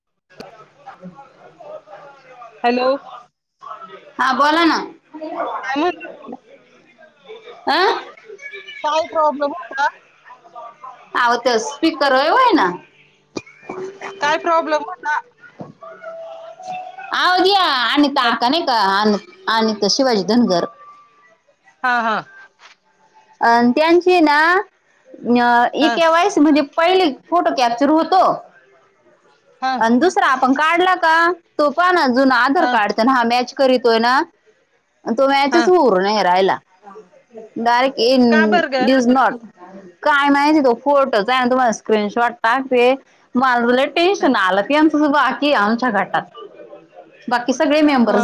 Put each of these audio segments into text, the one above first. [unintelligible] Hello हा बोला ना... काय? आ... काय प्रॉब्लेम होता आहो तो स्पीकर आहे होय ना... काय प्रॉब्लेम होना... आवो जी आनिता होता आका नाही का अन अनिता शिवाजी धनगर.. हा हा... अ त्यांची ना इ हा केे वायसी म्हणजे पहिली.... फोटो कॅप्चर होतो हा आणि दुसरा आपण काढला का तो पण... जुना आधार हा कार्ड ते ना हा मॅच करीतोय ना तो हा मॅचच होऊन नाही राहिला. डायरेक्ट इज का बर ग ड्यूज नॉट.. काय नाही त तो फोटोच आहे ना तुम्हाला स्क्रीनशॉट टाकते मला तुला टेन्शन आ... बाकी आमच्या घाटात... अ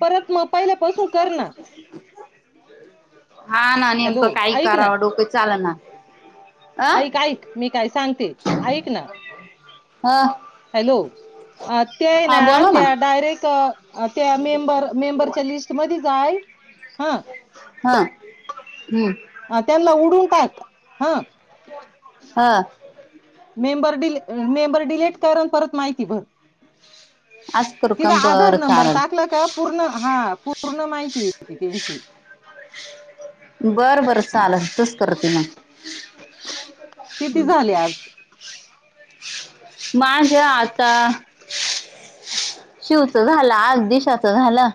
परत मग पहिल्या पासून कर ना... हा ना हॅलो नेमकं काही ऐक ना करावं डोकं चालना.. अ ऐक ऐक मी काय सांगते ऐक ना... हा... हॅलो अ ते आहे ना त्या डायरेक्ट त्या मेंबर मेंबरच्या लिस्टमध्ये जाय... हा... ह हम्म... अ त्यांना उडून टाक हा.. हा.. मेंबर डिली मेंबर डिलीट करन परत माहिती भर... आज करू का तिचा आधार बरं नंबर चालल टाकला का पूर्ण हा पूर्ण माहिती य... बरं बरं चालल तेच करते मग. किती झाले आज... माझ्या आता.. शिवचं झालं आज दिशाचं झालं..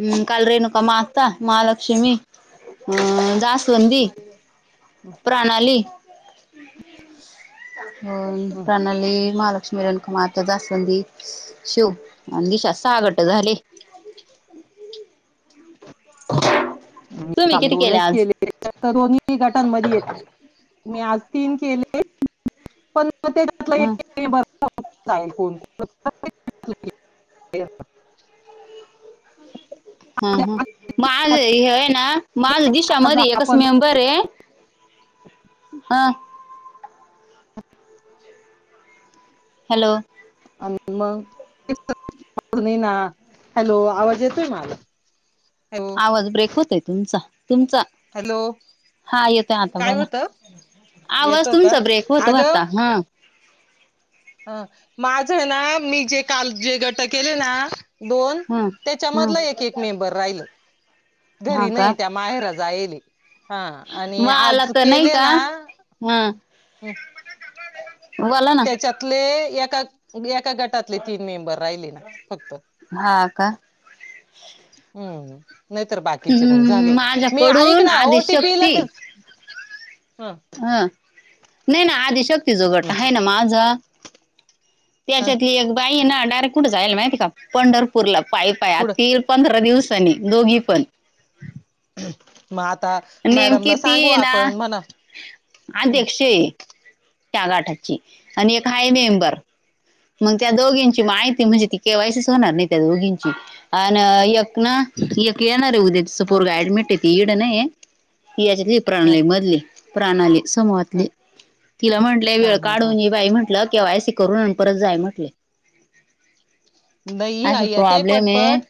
म काल रेणुका म आता महालक्ष्मी... हम जास्वंदी... प्रणाली हो प्रणाली माल... लक्ष्मीरखमात दासंधी शिव अ दिशा सागट झाले... [unintelligible] [inaudible] मी तुम्ही काल किती दोनच आज? केले तर दोन्ही गटांमध्ये य मी आज तीन केले पण ते घलं ह एक बर ल कोण [inaudible] हम् हम् माझ हेय ना माझ दिशा आज मध एकच आपण मेंबर आहे हां हॅलो मग ना हॅलो आवाज येतोय मला हॅलो आवाज ब्रेक होतय तुमचा तुमचं हॅलो हा येतोय आता काय बोला होतं आवाज येतो का तुमचा ब्रेक होतो आता हा ह माझ ना मी जे काल जे गट केले ना दोन हा हा त्याच्यामधला एक एक मेंबर राहिल हा घरी का नाही त्या माहेर जायली हा आणि मला आज तर नाही केले का ना हा बोला ना त्याच्यातले एका एका गटातले तीन मेंबर राहिले ना फक्त हा का हम्म नाही तर बाकीचे मग हम्म झाले मी ऐक माझ्याकडून ना ओटीपी लगेच हं नाही ना आधी शक्तीि जो गट आहे ना माझा हं, त्याच्यातली एक बाई ना डायरेक्ट कुठ जायला माहिती का पंढरपूरला पाय पाय कुठं आतील पंधरा दिवसानी दोघी पण मग आता नेमकी मॅडमला ती सांगू ये ना आपण म्हणा हं, अध्यक्ष त्या गाटाची आणि एक हाय मेंबर मग त्या दोघींची माहिती म्हणजे ती केवा्हायसच होणार नाही त्या दोघींची अ एकक ना इ केळणार रे उद्या हं, पोरग अऍडमिट ऐेड नाही याच्यातली हं, प्रणाली मधली प्रणाली समोआतले हं, तिला म्हटलंय वेळ हं, हं, हं. काढून बाई म्हंटलं केवायसी अस करून परत जाय म्हटले नाहीई असा आईया ते प्रॉब्लेम आहे पटपट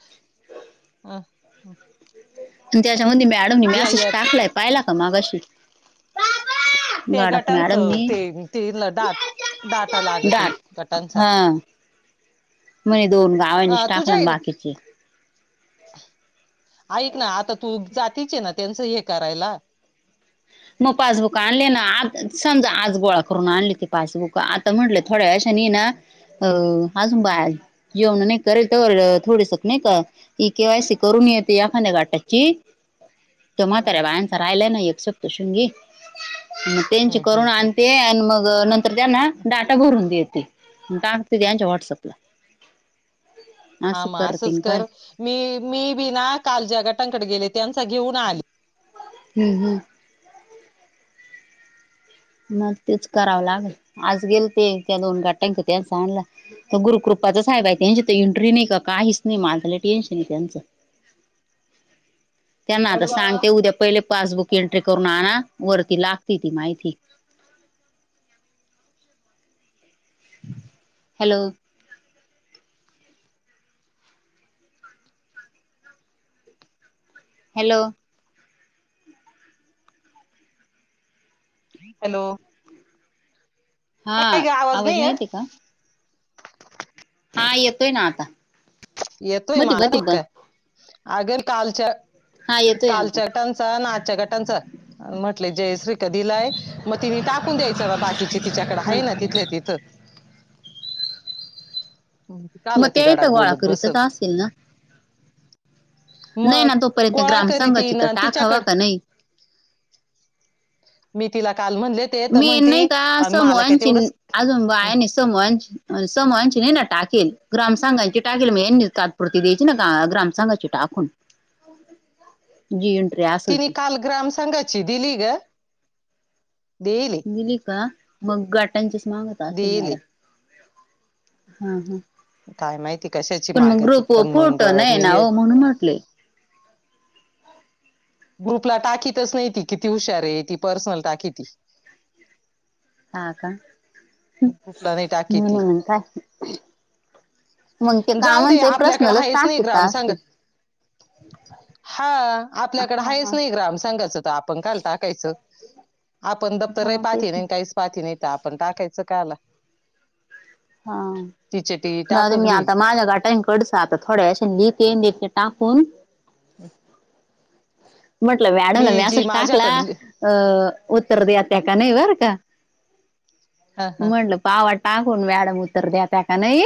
अ आणि त्याच्यामध्ये मॅडम या मॅसेज या टाकलाय पाहिला का मागाशी गाडक तेगाटांचं मॅडमनी ते ते डाट डाटा लागतुय दाट गटांचा हा म्हणे दोन गावांनीच अं, तुझ्या टाकलं बाकीचे ऐक ना आता तू जातीचे ना त्यांचं हे करायला मग पासबुक आणले ना आ समजा आज गोळा करून आणली ते पासबुक आता म्हटलं थोड्या वे ना अ आाजूनबा हं, जेवण नाही करेल तर थोडीस नाही का ई केवायसी करून येते याखाद्या गाटाची [inaudible] ते म्हाताऱ्या बायांचा राहिला ना एक सप्त शृंगी मग त्यांची हं, करुून हं, हं, आणते आणि मग नंतर त्यांना डाटा भरून देते टाकते त्यांच्या वॉट्सअपला हामा असंच कर मी मी बी ना काल ज्या गटांकडे गेले त्यांचा घेऊन आली हम्म हम्म मग तेच करावं लागल आज गेल ते त्या दोन गाट्यांक त्या सां आणला तर गुरुकृ पाच साहेब आहे त्यांच्या तर इंट्री नाही काहीच नाही माझ्याला टेन्शन आहे त्यांचं. [inaudible] त्यांना आता सांगते उद्या पहिले पासबुक एंट्री करून आण वरती लागते ती माहिती. हॅलो. हॅलो. हॅलो. हा काय ग आवाज नाही येते येत का? हा येतोय ना आता. येतो ह मधी मला मधी तितक बंद अगर कालच्या. हा येतोय आता कालच्या गटांचा आणि आजच्या गटांचा म्हटले जयश्री. दिलाय मग तिने टाकून द्यायचं ना बाकीचे तिच्याकड आहे ना तिथ तिथं. [inaudible] काल मग ते ती येत गडाक गोळा बोलत करी बसल तरच असेल ना. नय ना मग तोपर्यंत. गोळा करी ती ग्रामसंघाची तर ना टाक हवा तिच्याकड का नाही. मी तिला काल म्हणले ते तर मी म्हणती नाही का मला काय समूहची तेवढंच अजून बाया समूहांची समूहांची नाही नाटा. टाेल ग्रामसांघाांची टाकेल म तात्पुरती द्यायची ना ग्रामसघाची टाकून. जी. असेल तिने ती काल ग्राम संघाची दिली ग. दिली गेली का मग गाटांचीच मागत असतील मॅडम. दिली हा हम. काय माहिती कशाची पण मग माग ती ग्रुप व पण मग फोटो नाही मी ना ये हो म्हणून म्हटले. ग्रुपला टाकीतच नाही ती किती हुशार आहे ती पर्सनल टाकील. ह का नाही टाकी मन ती म्ह काय. मग ते जाऊ दे कामचे आपल्याकडे प्रश्नलच आहेच नाही टाकता ग्राम सांग असते हा आपल्याकडे आहेाच नाही ग्राम सांगायच आपण काल टाकायच आपण दप्तरही हा तेच पाथी ना नाही काहीच पाथी नाही तर आपण टाकायचं काल. हा. र मी घेईल आता माझ्या घ टाईम कडच आता थोड्याशे लिके ले टाकून. हम. म्हटलं व्याडून व्यास टाकला माझ्याकडली अ उत्तर दया हा त्या का नाही बरं का. [inaudible] हा हा म्हटलं पावा टाकून व्याडम उतर द्या त्या का नाही.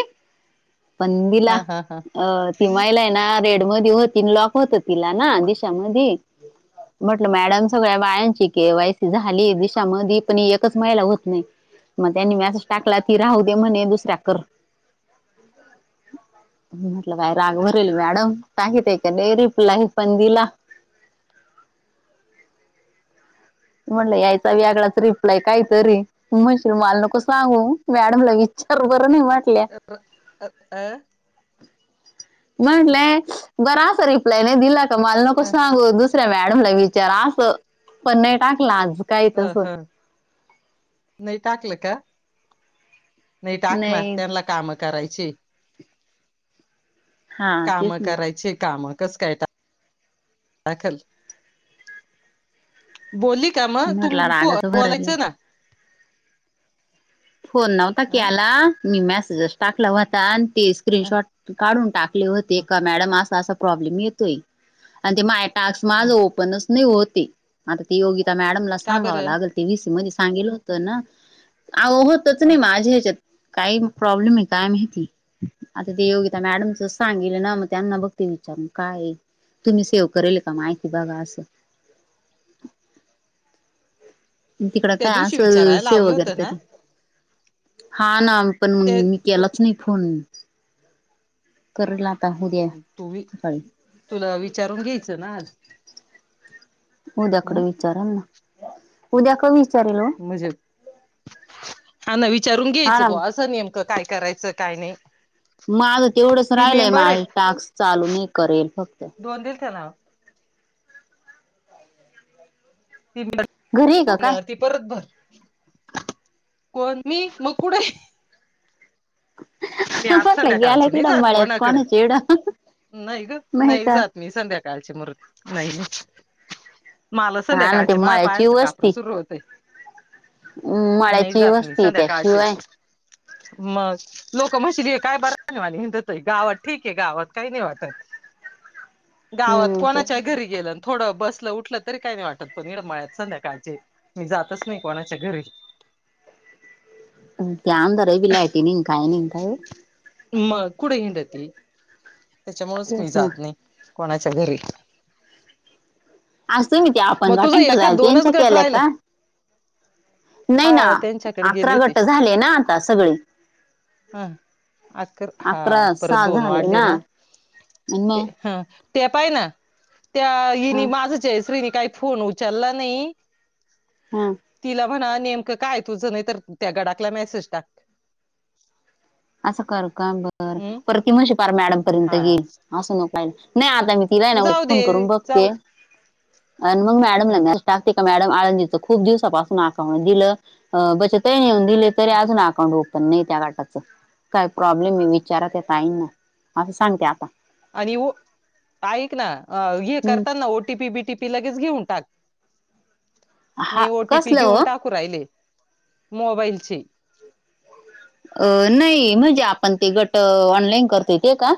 पंदीला हा हा हा अ तिमा्हाईला आहे ना रेड. हो लॉक होत तिला ना दिशामध्ये. [inaudible] म्हटलं मॅडम सगळ्या बायांची क एवायसी झाली दिशामध्ये पण एकच महिला होत नाही. मग त्यांनी मी असं टाकला ती राहू दे म्हणे दुसऱ्या कर. [inaudible] म्हटलं काय राग भरेल मॅडम काकी ते कडे रिप्लाय पण दिला. म्हटलं यायचा व्यागळाच रिप्लाय काय तरी म्हणशील मला नको सांगू मॅडमला विचार ब. अ अ. म्हंटलंय बरा असा रिप्लाय नाही दिला का माल नको अ, सांगू दुस. तुस मॅडमला विचारा असं पण नाही टाकलं आज काय अ, तस. ह. नाही टाकलं का नाही टाकणार त्यांना कामच. करायची. हा काम तेच ना करायचे काम. कस काय टा दाखल. बोलली का म म्हटलं तुम रागाचं भरलं बोलायचं ना. फोन नव्हता अं, क्याला मी मॅसेजेच टाकला व्हता अन् ते अं, स्क्रीनशॉट काढून टाकले होते अं, का मॅडम असं असं प्रॉब्लेम येतोय अन् ते टास्क माझं अं. ओपनच नाही होती आता ती योगिता मॅमला का सांगावं बरं लागेल ते वीस म ध्ये सांगितला होत ना आओ होतच नाही अं, माझ्या ह्याच्यात काही प्रॉब्लेमय काय माहिती आता ते योगिता मॅडमच सांगितलं ना मग त्यांना बघते काय आहे तुम्ही सेव करेल के माय असं [inaudible] तिकडं त्या काय दिवशी असंल विचारायला सेव लावलं होतं वगैरे ना त हा ना पण ते मी तू केलाच नाही फोन करला तू वि तुला विचारून घ्यायचं ना आ उद्याकड विचारन उद्याक विचा म्हजे हा ना विचारून हा घ्यायचं ना बुवा अस नियम क काय करायचं काय नाय माझं तेवढंच राहिलंय मा टाक्स चालू नाही करेल फक्त दोन दिल ना घरी आहे का काय [unintelligible] ती परत भर कोण मी मग कुठं [inaudible] मी आज म्हटलं गेलाय संध्याकाळची नई तिकडं जात मळ्यात कोणाकडं कोणाच्या इकडं नाय गं नाही नाय का. जात मी संध्या काळचे [unintelligible] नाय मला हा ना ते संध्याकाळच्या मा मळ्याची पायांचं कापड सुरू होतंय म् मळ्याची वस्ती त्याशिवाय मज लोक मशली काय बर नाही वातोय [unintelligible] गावात ठीक आहे गावात काही नाही वाटत गावात हम्म ते कोणाच्या घरी गेलंन थोडं बसलं उठलं तरी काही नाही वाटत पण निडमाळ्यात संध्याकाळचे मी जातच नाही कोणाच्या घरी [inaudible] त्या आदर बलायटी [unintelligible] नि काय नि काय मग कुठे हिंड ती त्याच्यामुळेच मी तेच ना. जात नाही कोणाच्या घरी आज तुम्ही ते मग आपण तुझं गटांक एखा जायल दोनच त्यांच्या गट केल्या राहिल का? नाही ना हा त्यांच्याकडे अकरा गेली ती गट झाले ना आता सगळे. हं अ हा अकरा परत सहा दोन झाले वाढले ना ते मग हा ते पाय ना त्या हा हिनी माझ जयश्रीनी काही फोन उचला नाही हा तिला म्हणा नेमकं काय तुझं नाही तर त्या गडाकला मेसेज टाक असं कर का बर हम्म पर त म्ह श [unintelligible] पार मॅडम पर्यंत हा गेल असं नका नाही आ मी तिलाय ना मी मग जाऊ दे फोन करून जाऊ बघते दे अन मग हम्म मॅडमल ना अ असटागतिक [unintelligible] मॅडम आळंदीच खूप दिवसापासून अकाउंट दिलं बच तहीेऊन [unintelligible] दिले तरी हम्म. अजून अकाउंट ओपन नाही त्या गाटाच काय प्रॉब्लेम आहे विचारात काही ना असं सांगते आता आणि [unintelligible] ऐक ना हे हम्म करतात ना ओटीपी बीटीपी लगेच घेऊन टाक मी हा ओटीपी कसलं हो? घेऊन टाकू राहिले मोबाईलचे अ नाही म्हणजे आपण ते गट ऑनलाईन करत ते का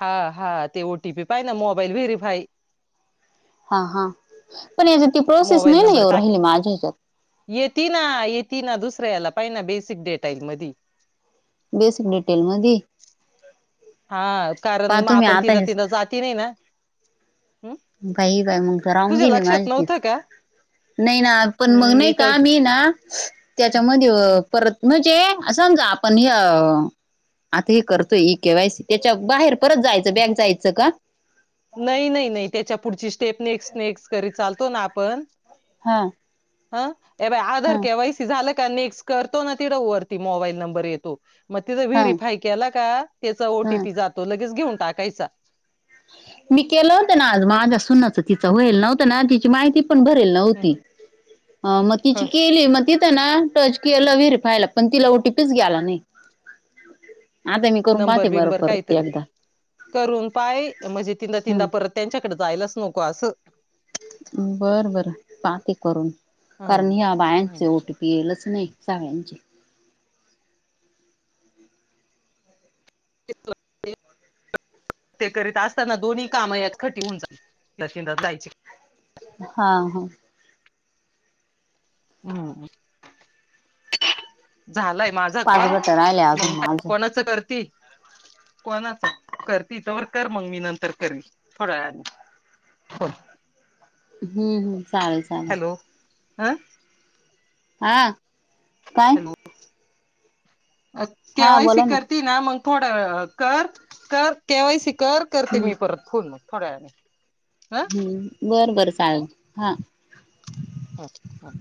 हा हा ते ओटीपी पाहि ना मोबाईल व्हेरीफाय हा हा पण याच्यात ती प्रोसेस मोबाईल नाही ना नंबर येऊ टाक राहिली माझ्या ह्याच्यात येती ना येती ना दुसऱ्या याला का [unintelligible] ना बेसिक डेटा येईल मधी वीस मीटेर मध्ये हा कारण पहा मग तुम्ही आपण आता तिनं हेच तिनं जाती नाही ना हम्म? काही काय करा मग तर राहून तुझ्या गेली लक्षात माझी तच नव्हतं का नाही ना पण मग हम्म, नाही तर का मी ना हम्म, त्याच्यामध्ये हम्म. परत म्ह. समजा आपण हे आता हे करतोय केवायसी त्याच्या बार. परत जायचं बॅग जायचं का नाही नाही नाही त्याच्या पुढची स्टेप नेक्स्ट नेक्स कर चालतो ना आपण हा. हा ए बाय आधार हा के वैसी झालं का नेक्स्ट करतो ना तिड ववरती मोबाईल नंबर येतो. मग तिचा हा व्हेरीफाय केला का त्याचा हा ओटीपी जातो लगेच घेऊन टाकायचा मी केलं होतं ना आज माझ सुनाच तिचं होईल नव्हतं ना तिची माहिती. भरेल नव्हती मग ह तिची केली मग ति ना टच केलं विर व्हेरिफायला पण तिला ओटीपीच ग्याला नाही. आता मी करून नंबर पाहते बरं बिंबर परत काहीतरी एकदा करून पाय म्हणजे तीनदा तीनदा हम्म परत त्यांच्याकडे जायलाच नको असं. बर बर पाहते करून कारण हम्म या बायांचे ओटी पी येलच. नाही चाव्यांचे. ते. ते करीत असताना दोन्ही कामं यात खटी होऊन ल लात जायची हा हा. हम्. झालाय माझा पाच कॉल गट राहिले अजून म्हणताय माझे कोणाच करती कोणाच करते तरवर कर मग मी नंतर कर थोड्या वेळानी हा. हम्म हम्म चालेल चालेल. आ. हा काय हा केवायसी बोला करती ना मग थोडं कर कर केवायसी कर करते हम्म मी परत फोन मग थोड्या वेने हम्म बरं बरं चालेल हा अच् हम